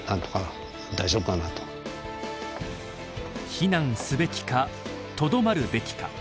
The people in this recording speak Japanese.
避難すべきかとどまるべきか。